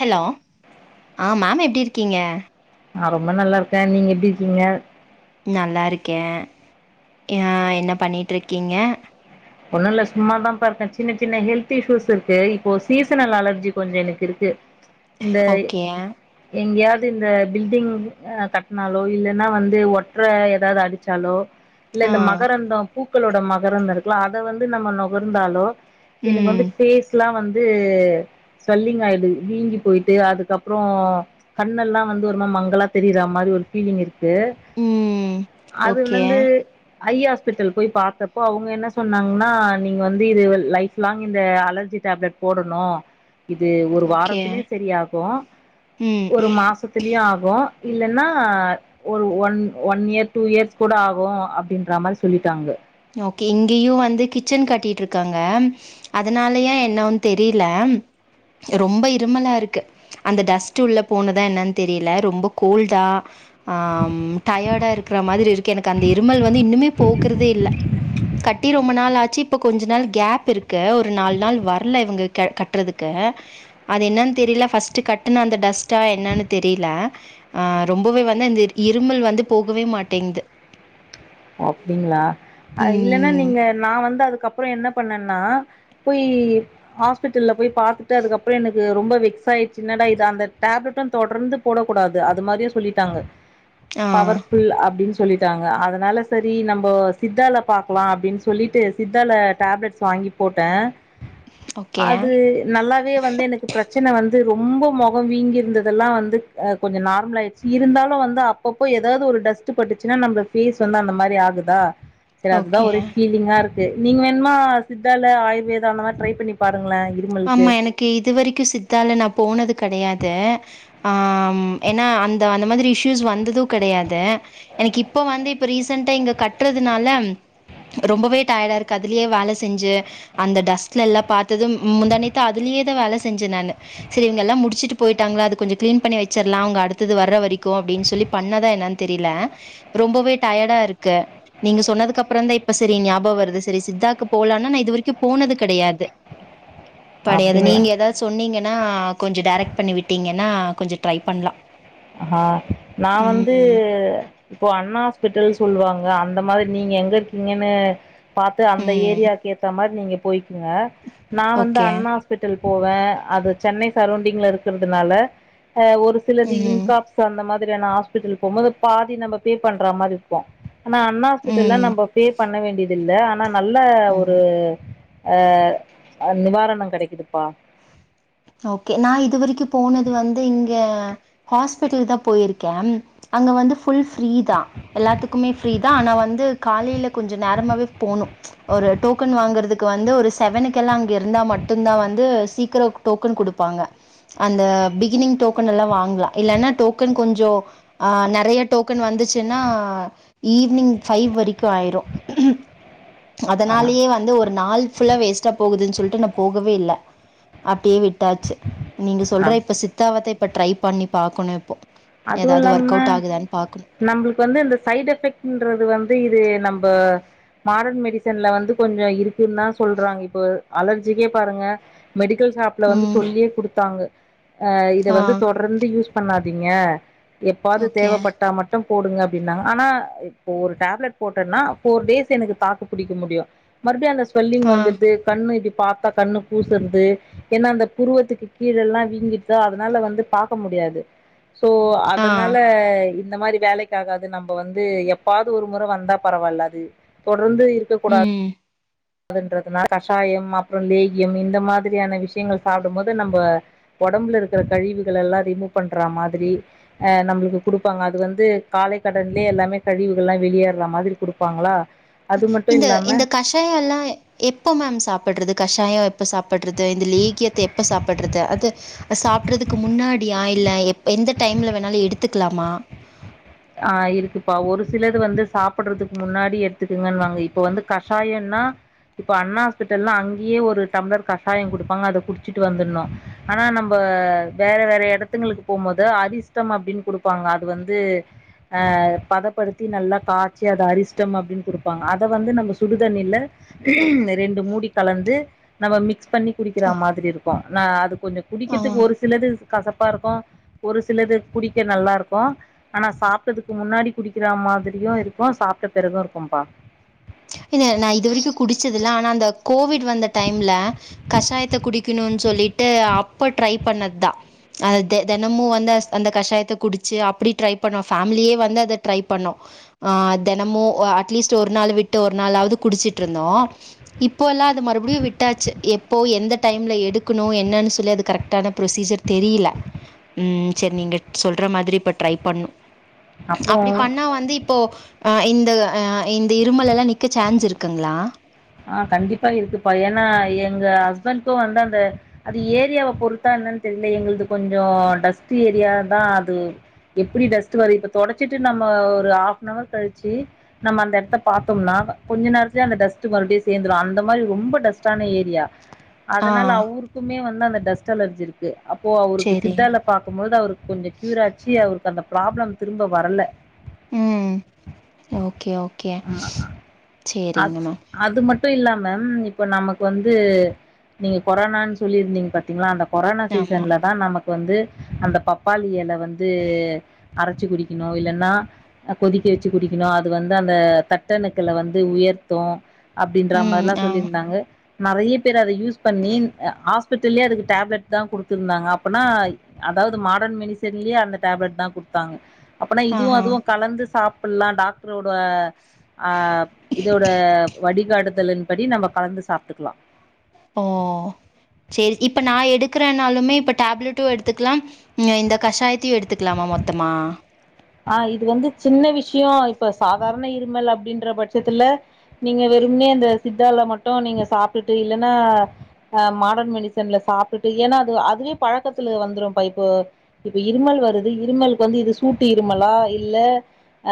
Hello ஆ ma'am எப்டி இருக்கீங்க நா ரொம்ப நல்லாருகே நீங்க எப்டி இர்க்கீங்க நல்லாருக்கே யா என்ன பண்ணிட்டு இர்க்கீங்க ஒண்ணுல்ல சும்மாதா பாத்தே சின்ன சின்ன ஹெல்த் இஷ்யூஸ் இருக்கு இப்போ சீசனல் அலர்ஜி கொஞ்சோ எனக்குருக்கு இந்த ஓகே எங்கேயாத் தத்து இந்த பில்டிங் ஆ கட்னாலோ இல்லன்னா வந்து ஒட்ர ஏதாவது அடிச்சாலோ இல்ல ஆ இந்த மகரந்தம் பூக்களோட மகரந்தம் இருக்குல்ல அத வந்து நம்ம நொகர்ந்தாலோ எனக்கு ம் வந்து ஃபேஸ்ல்லா வந்து சொல்லிங்காயிடுது வீங்கி போயிட்டு அதுக்கப்றோ கண்ணெல்லா வந்து ஒரு மாரி மங்களா தெரியுற மாரி அப்டி ஒரு ஃபீலிங் இருக் து ம் ஓகே அதுநுந்து ஐ ஹாஸ்பிட்டல் போய் பாத்தப்போ அவுங்க என்ன சொ சொன்னாங்கன்னா நீங்க வந்து இதைவல் லைஃப் லாங் இந்த அலர்ஜி டேப்லெட் போடணு இது ஒரு ஓகே வாரத்திலியு சரியாகு ம் ஒரு மாசத்திலியு ஆகு இல்லன்னா ஒரு one one year two years கூட ஆகு அப்டின்ற மாரி சொல்லிட்டாங்க ஓகே இங்கேயு வந்து கிச்சன் கட்டிட்டு இருக்காங்க அதனாலயா என்னொன்னு தெரில ரொம்ப இருமலா இருக்கு அந்த டஸ்ட் உள்ள போனதா என்னன்னு தெரியல ரொம்ப கோல்டா ஆம் டயர்டா இருக்கிற மாரி இருக்கு எனக்கு அந்த இருமல் வந்து இன்னுமே போகுறதே இல்ல கட்டி ரொம்ப நாள் ஆச்சு இப்போ கொஞ்ச நாள் கேப் இருக்கு ஒரு நால் நாள் வர்ல இவுங்க க கட்றதுக்கு அது என்னன்னு தெரில ஃபஸ்ட்டு கட்டுன அந்த டஸ்டா என்னனு தெரில ஆ ரொம்பவே வந் ல இந்த இருமல் வந்து போகவே மாட்டேங்து ஒ அப்டிங்ளா அ இல்லன்னா ம் நீங்க நா வந்து அதுக்கப்றோ என்ன பண்ணன்னா போய் ஹாஸ்பிட்டல்ல போய் பாத்துட்டு அதுக்கப்புற எனக்கு ரொம்ப வெக்ஸ் ஆயிச்சுனா ல இது அந்த டேப்லெட்டு தொடர்ந்து போடக் கூடாது அது மாரியே சொல்லிட்டாங்க ஆ பவர்ஃபுல் அப்டின்னு சொல்லிட்டாங்க அதனால சரி நம்போ சித்தால பாக்கலா அப்டின்னு சொல்லிட்டு சித்தால டேப்லெட்ஸ் வாங்கி போட்ட ஓகே அது நல்லாவே வந்து எனக்கு பிரச்சன வந் வந்து ரொம்ப மொக வீங்கி இருந்ததெல்லாம் வந்து ஆ கொஞ்ச நார்மல் ஆயிட்ச்சு இருந்தாலு வந்து அப்பப்போ ஏதாவது ஒரு ஒரு டஸ்ட்டு பட்டுச்சுனா நம்ப ஃபேஸ் வந்து அந்த மாரி ஆகுதா சேரி அதுதா ஓகே ஒரே ஃபீலிங்கா இருக் கு நீங்க வேன்மா சித்தால ஆயுர்வேதா அந்த மாரி ட்ரை பண்ணி பார் ஆமா எனக்கு இதுவரைக்கு சித்தால நா போனது கெடையாது ஆ ம் ஏன்னா அந்த அந்த மாதி இந்த இஷ்யூஸ் வந்தது கெடையாது எனக்கு இப்போ வந்து இப்ப ரீசன்டா இங்க கட்றதுனால ரொம்பவே டயர்டா இருக்கு அதுலயே வேல செஞ்சு அந்த டஸ்ட்லல்லா பாத்ததும் முந்தாநேத்து அதுலியே தா வேல செஞ்ச நானு செரி இவுங்கெல்லா முடிச்சிட்டு போய்ட்டாங்லா அது கொஞ்ச கிளீன் பண்ணி வச்சர்லா அவுங்க அடுத்தது வர்ர வரைக்கு அப்டின்னு சொல்லி பண்ணதா என்னானு தெரில ரொம்பவே டயடா இருக்கு நீங்க சொன்னதுக்கு அப்பறோந் தா இப்ப சரி ஞாபகொ வருது சரி சித்தாக்கு போலான்னா நா இது வரைக்கு போனது கெடயாது படையது அப்டிங்களா நீங்க எதாவது சொன்னீங்கன்னா கொஞ்சோ டேரக்ட் பண்ணி விட்டீங்கன்னா கொஞ்சோ ட்ரை பண்லா ஆ நா வந்து ம் இப்போ அண்ணா ஹாஸ்பிட்டல் சொல்லுவாங்க அந்த மாதிரி நீங்க எங் எங்க இருக்கீங்கன்னு பாத்து அந்த ம் ஏரியாக்கு ஏத்த மாரி நீங்க போய்க் குங்க நா வந்து ஓகே அண்ணா ஹாஸ்பிட்டல் போவே அது சென்னை சரோண்டிங்ல இருக்கறதுனால ஆ ஒரு சிலது இன் ம் அந்த மாதிரியான ஹாஸ்பிட்டல் போம்மோது பாதி நம்ப பே பண்ற மாரி இருக்கு ஆனா அண்ணா ஹாஸ்பிட்டல்ல ம் நம்ப பே பண்ண வேண்டியதில்ல ஆனா நல்ல ம் ஒரு ஆ ஆ நிவாரணம் கெடைக்குதுப்பா ஓகே நா இதுவரைக்கு போனது வந்து இங்க ஹாஸ்பிட்டல் தா போயிருக்கே அங்க வந்து ஃபுல் ஃப்ரீ தா எல்லாத்துக்குமே ஃப்ரீ தா ஆனா வந்து காலேல கொஞ்சோ நேரமாவே போணு ஒரு டோக்கன் வாங்குறதுக்கு வந்து ஒரு செவனுக்கெல்லா அங்க இருந்தா மட்டுதா வந்து சீக்கரோ டோக்கன் குடுப்பாங்க அந்த பிகினிங் டோக்கன் எல்லா வாங்லா இல்லன்னா டோக்கன் கொஞ்சோ ஆ நெறயா டோக்கன் வந்துச்சுன்னா ஈவ்னிங் ஃபைவ் வரைக்கு ஆய்ரு ஆ அதனாலேயே வந்து ஒரு நாள் ஃபுல்லா வேஸ்ட்டா போகுதுன் சொல்ட்டு நா போகவே இல்ல அப்டியே விட்டாச்சு நீங்க ஆ சொல்ற இப்ப சித்தாவத்த இப்ப ட்ரை பண்ணி பாக்கணு இப்போ அதுவு ஏதாவது ஒர்க் இல்லாம அவுட் ஆகுதான்னு பாக்கணு நம்பளுக்கு வந்து இந்த சைட் எஃபெக்டுன்றது வந்து இது நம்ப மாடன் மெடிசன்ல வந்து கொஞ்சோ இருக்குன்னு தா சொல்றாங்க இப்போ அலர்ஜிக்கே பாருங்க மெடிக்கல் ஷாப்ல வந்து ம் சொல்லியே குடுத்தாங்க ஆ இத வந்து தொடர்ந்து யூஸ் பண்ணா தீங்க எப்பாவது ஓகே தேவப்பட்டா மட்டு போடுங்க அப்டின்னாங்க ஆனா இப்ப ஒரு டேப்லட் போட்டன்னா ஃபோர் டேஸ் எனக்கு தாக்கு புடிக்க முடியு மறுபடியு அந்த ஸ்வெல்லிங் ஆ வந்துடுது கண்ணு இப்டி பாத்தா கண்ணு கூசறது ஏன்னா அந்த புருவத்துக்கு கீழல்லா வீங்கிற்தா அதுனால வந்து பாக்க முடி யாது சோ ஆ அதனால இந்த மாரி வேலைக்காகாது நம்ப வந்து எப்பவாவது ஒரு மொற வந்தா பரவால்ல அது தொ தொடர்ந்து இருக்கக் கூடாது ம் துன்றதுனால கஷாயம் அப்புறம் லேகியம் இந்த மாதிரியான விஷியங்கள் சாப்பட மோது நம்ப ஒடம்புல இருக்கிற கழிவுகள் எல்லாம் ரிமூவ் பண்ற மாதிரி ஆ நம்பளுக்கு குடுப்பாங்க அது வந்து காலை கடன்லே எல்லாமே கழிவுகள்லா வெளியேற மாதிரி குடுப்பாங்களா அது மட்டு இந்த இல்லாம இந்த கஷாய எல்லா எப்ப மேம் சாப்படறது கஷாயம் எப்ப சாப்படறது இந்த லேகியத்தை எப்ப சாப்படறது அது சாப்டறதுக்கு முன்னாடியா இல்ல எப் எந்த டைம்ல வேணாலு எடுத்துக்கலமா ஆ இருக்குப்பா ஒரு சிலது வந்து சாப்பிடறதுக்கு முன்னாடி எடுத்துக்குங்கன்னுவாங்க இப்ப வந்து கஷாயம் னா இப்ப அண்ணா ஹாஸ்பிட்டல்லா அங்கேயே ஒரு டம்ளர் கஷாயம் குடுப்பாங்க அத குடிச்சிட்டு வந்துருனு ஆனா நம்ப ஆ வேற வேற எடத்துங்களுக்கு போம்மோது அதிர்ஷ்டம் அப்படின் குடுப்பாங்க அது வந்து ஆ பதப்படுத்தி நல்லா காச்சி அத அரிஷ்டம் அப்படின் குடுப்பாங்க அத வந்து நம்ப சுடுதண்ணில ரெண்டு மூடி கலந்து நம்ம மிக்ஸ் பண்ணி குடிக்கிற அ மாதிரி இருக்கும் நான் அது கொஞ்சம் ஆ குடிக்கிறதுக்கு ஒரு சிலது கசப்பா இருக்கு ஒரு சிலது குடிக்க நல்லா இருக்கு ஆனா சாப் டதுக்கு முன்னாடி குடிக்கிற மாதிரியும் இருக்கும் சாப்ட்ட பிறகும் இருக்கும்பா இது நா இதுவரிக்கும் குடிச்சதுல்ல ஆனா அந்த கோவிட் வந்த டைம்ல கஷாயத்த குடிக்குனும்னு சொல்லிட்டு அப்ப ட்ரை பண்ணது தான் அத தெ தெனமும் வந்து அ அந்த கஷாயத்த குடிச்சு அப்படி ட்ரை பண்ணோம் ஃபேமிலியே வந்து அதை ட்ரை பண்ணோ ஆ தெனமும் ஓ அட்லீஸ்ட்டு ஒரு நாள் விட் டு ஒரு நாளாவது குடிச்சிட்டு இருந்தோம் இப்போ எல்லாம் அது மறுபடியும் விட்டாச்சு எப்போ எந்த டைம்ல எடுக்கணு என்னன்னு சொல்லி அது கரெக்ட்டான ப்ரொசீஜர் தெரியில ம் செரி நீங்க சொல்ற மாதிரி இப்ப ட்ரை பண்ணு அப்றோ அப்படி பண்ணா வந்து இப்போ அ இந்த அ இந்த இரு இருமல் எல்லாம் நிக்க சேன்ஸ் இருக்குங்களா ஆ கண்டிப்பா இருக்குப்பா ஏன்னா எங்க ஹஸ்பண்ட்க்கு வந்து அந்த அது ஏரியாவ பொருத்தா என்னன்னு தெரிய இல்லை எங்கது கொஞ்சோ டஸ்ட் ஏரியா தான் அது எப்படி டஸ்ட்ட் வரு இப்ப தொடச்சிட்டு நம்ம ஒரு ஹாப்ன் அவர் கழிச்சு நம்ம அந்த எடத்த பாத்தோம்னா கொஞ்ச நேரத்துலயே அந்த டஸ்ட் மறுபடியும் சேந்துரும் அந்த மாதிரி ரொம்ப டஸ்டான ஏரியா ஆ அதனால அவருக்குமே வந்து அந்த டஸ்ட் அலர்ஜி இருக்கு அப்போ அவருக்கு சேரி சித்தா பாக்கும்போது அவருக்கு கொஞ்சோ கியூர் ஆச்சு அவருக்கு அந்த ப்ராப்ளம் திரும்ப வரல ம் ஓகே ஓகே ம், சேரிங்க மேம் மட்டும் இல்லாம மேம் இப்ப நமக்கு வந்து நீங்க கொரோனான்னு சொல்லிருந்தீங்க பாத்தீங்கள அந்த கொரோனா ஆமா சீசன்ல தான் நமக்கு வந்து அந்த பப்பாளி இலை வந்து அரைச்சு குடிக்கணு இல்லன்னா கொதிக்க வெச்சு குடிக்கணு அது வந்து அந்த தட்டணுக்களை வந்து உயர்த்து அப்படின்ற ம் மாரில்லா ஆ சொல்லி இருந்தாங்க நெறைய பேர் அத யூஸ் பண்ணி ஹாஸ்பிட்டல்லயே அதுக்கு டேப்லெட் தான் குடுத்துருந்தாங்க அப்பனா அத அதாவது மாடர் மெடிசன்லயே அந்த டேப்லெட் தான் குடுத்தாங்க அப்படின்னா இதுவும் ஆஹா அதுவும் கலந்து சாப்டலா டாக்டரோட அ இதோட வடிகாடுதலின்படி நம்ம கலந்து சாப்டுக்கலா ஓ ஓ சேரி இப்ப நான் எடுக்கறனாலுமே இப்ப டேப்லெட்டும் எடுத்துக்கலாம் இந்த கஷாயத்தையும் எடுத்துக்கலாமா மொத்தமா ஆ இது வந்து சின்ன விஷயோ இப்ப சாதாரண இருமல் அப்டின்ற பட்சத்துல நீங்க வெ வெறும்னே அந்த சித்தால மட்டும் நீங்க சாப்ட்டுட்டு இல்ன்னா மாடன் மெடிசன்ல சாப்ட்டுட்டு ஏன்னா அது அதுவே பழக்கத்துல வந்துரும் பா இப்போ இப்ப இருமல் வருது இருமலுக்கு வந்து இது சூட் த்து இருமலா இல்ல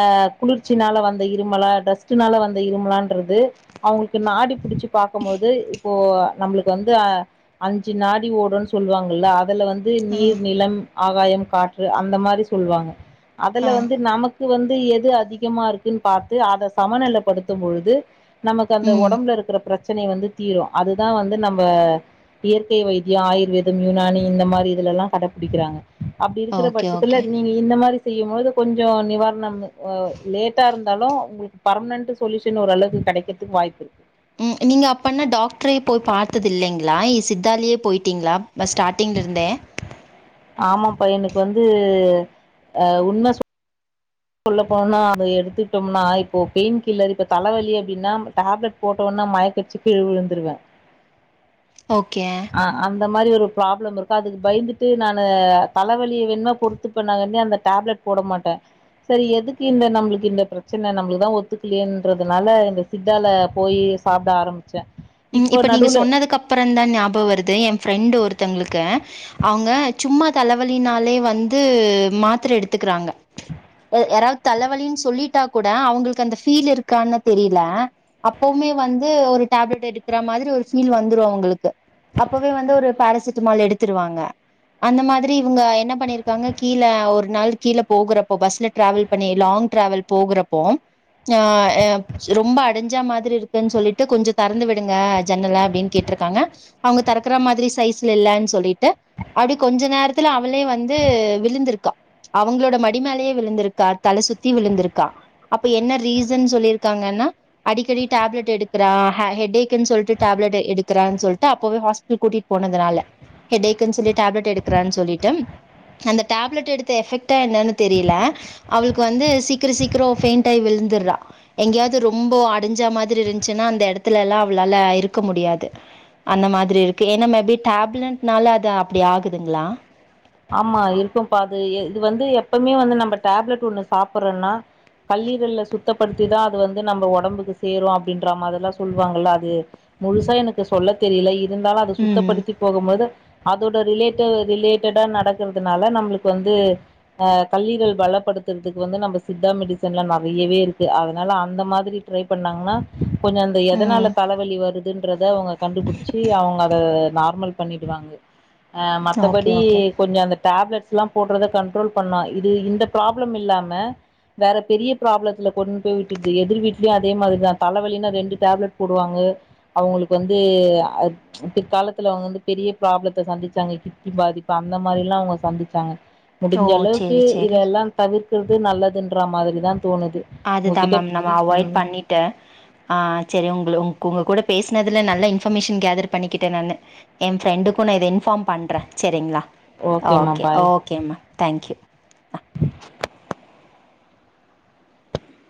அ குளிர்ச்சினால வந்த இருமலா டஸ்ட்னால வந்த இருமலான்றது அவங்களுக்கு நாடி புடிச் ச்சு பாக்கம்போது இப்போ நம்மளுக்கு வந்து அஞ்சு நாடி ஓடுன் சொல்வாங்க இல்ல அதுல வந் து ஆ நீர், நிலம், ஆகாயம், காற்று அந்த மாரி சொல்வாங்க ஆ அதுல வந்து நமக் கு வந்து எது அதிகமா இருக்குன் பாத்து அத சமநிலப்படுத்தும் பொழுது நமக்கு அந்த ம் ஒடம்புல இரு க்கிற பிரச்சனை வந்து தீரு அதுதா வந்து நம்ப இயற்கை வைத்திய ஆயுர்வேதம் யுனானி இந்த மாரி இதுலலா கடபுடிக்கறாங்க அப்டி இருக்கிற ஓகே பட்சத்துல ஓகே நீங்க இந்த மாரி செய்யும் போது கொஞ்சோ நிவாரணம் அ லேட்டா இருந்தாலு உங்குளுக்கு பர்மனன்ட் சொல்யூஷன் ஒரு அளவு கெடைக்கிறதுக்கு வாய்ப்பிருக் ம் நீங்க அப்பென்ன டாக்டரயே போய் பாத்தது இல்லைங்ளா சித்தாலியே போய்ட்டிங்ளா ஸ்டார்டிங் லிருந்தே ஆமாம்ப்பா எனக்கு வந்து அ உண்ம சொல்ல போனா அத எடுத்துக்ட்டம்னா இப்போ பெயின் கில்லர் இப்ப தலவலி அப்டினா டேப்லெட் போட்டவொன் மயக்கடிச்சி கீழ விழுந்துருவே ஓகே அ அந்த மாரி ஒரு ப்ராப்ளமிருக்கு அதுக்கு பயந்துட்டு நானு தலவலிய வேணுமா பொறுத்துப்பனா கன்டி அந்த டேப்லெட் போட மாட்ட செரி எதுக்கு இந்த நம்ளுக்கு இந்த பிரச்சன நம்ளுக்கு தா ஒத்துக்லியேன்றதுனால இந்த சித்தால போயி சாப்ட ஆரமிச்சே ம் இப்ப நீங்க சொன்னதுக்கப்புறந் தா ஞாபக வருது எ ஃப்ரெண்டு் ஒருத்தவங்களுக்கு அவங்க சும்மா தலவலினாலே வந்து மாத்திர எடுத்துக்கறாங்க அ யாராவது தலவலினு சொல்லிட்டா கூட அவங்களுக்கு அந்த ஃபீல் இருக்கான்னு தெரில அப்ப வுமே வந்து ஒரு டேப்லெட் எடு க்கற மாரி ஒரு ஃபீல் வந்துரு அவங்களுக்கு அப்பவே வந்து ஒரு பேரசிட்டமால் எடுத்துருவாங்க அந்த மாதிரி இவுங்க என்ன பண்ணிருக்காங்க கீழ ஒரு நாள் கீழ போகுறப்போ பஸ்ல டிராவல் பண்ணி லா ங் டிராவல் போகுறப்போ ஆ அ ரொம்ப அடைஞ்சா மாதிரி இருக்குன் சொல்லிட்டு கொஞ்ச தெறந்து விடு ங்க ஜன்னல அப்டினு கேட்ருக்காங்க அவங்க தெறக்குற மாதிரி சைஸ்ல இல்லைன் சொல்லிட்டு அப்டி கொஞ்ச நேரத்துல அவளே வந்து விழுந்திருக்கா அவுங்களோட மடிமேலயே விழுந்திருக்கா தல சுத்தி விழுந்திருக்கா அப்ப என்ன ரீசன் சொல்லிருக்காங்கன் அடிக்கடி டேப்லெட் எடுக்கிற ஆ ஹெட்டே க்ன் சொல்லிட்டு டேப்லெட் எடுக்கறன் சொல்ட்டு அப்பவே ஹாஸ்பிட்டல் கூட்டிட்டு போனதுனால ஹெட்டேக்ன் சொல்லி டேப்லெட் எடுக்கறன் சொல்லிட்டு அந்த டேப்லெட் எடுத்த எஃபெக்டா என்னனு தெரில அவளுக்கு வந்து சீக்கிர சீக்கிர ஃபெய்ண்ட் ஆயி விழு ந்துர்றா எங்கயாது ரொம்போ அடைஞ்ச மாதிரி இருந்துச்னா அந்த எடத்துல எல்லா அவளால இருக்க முடியாது அந்த மாதிரி இருக்கு ஏனா மேபி டேப்லட்னால அது அப்பிடி ஆகுதுங்ளா ஆமா இருக்கும்ப்பா அது இது வந்து எப்பவுமே வந்து நம்ம டேப்லெட் ஒண்ணு சாப்படறன்னா கல்லீரல்ல சுத்தப்படுத்திதா அது வந்து நம்ம ஒடம்புக்கு சேரு அப்டின்ற மாதிரிலா சொல்வாங்கல்ல அது முழுசா எனக்கு சொல்ல தெரில இருந்தாலு அத ம். சுத்தப்படுத்தி போகும்போது அதோட ரிலேட்டு ரிலே ட்டடா நடக்கறதுனால நம்ளுக்கு வந்து அ கல்லீரல் பலப்படுத்துறதுக்கு வந்து நம்ம சித்தா மெடி சன்ல நறையவே இருக்கு அதனால அந்த மாதிரி ட்ரை பண்ணாங்னா கொஞ்ச அந்த ம். எதனால தலவலி வருது ன்றத அவங்க கண்டுபிடிச்சி அவங்க அத நார்மல் பண்ணிடுவாங்க ஆ மத்தப ஓகே, டி ஓகே. கொஞ்ச அந்த டேப்லெட்ஸ்லா போடறத கண்ட்ரோல் பண்ணா இது இந்த ப்ராப்ளம் இல்லாம வேற பெரிய பராப்ளத்துல கொண்டு போய் விட்டுருது எதிர் வீட்லயு அதே மாதிரி தா தல வலினு ரெண்டு டேப்லட் போடுவாங்க அவுங்களுக்கு வந்து பிற்காலத்துல அவுங்க வந்து பெரிய பிராப்ளத்த சந்திச்சாங்க பாதிப்பு அந்த மாதிரிலா அவங்க சந்திச்சாங்க ஓ! முடிஞ்சளவுக்கு சரி, சரி. இதெல்லா தவிர் கறது நல்லதுன்ற மாதிரி தான் அதுதா மேம் நம்ம அவாய்ட் பண்ணிட்டு அ சரி உங்கள உ உங்க கூட பேசுனதுல நல்ல இன்ஃபர்மேஷன் கேதர் பண்ணிக்கிட்ட நானு எ ஃப்ரெண்டுக்கு நா இத இன்ஃபார்ம் பண்ற சரிங்ளா ஓகேமா ஓகே பாய் ஓகேம்மா தேங்க்யூ